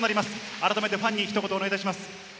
改めてファンにひと言、お願いします。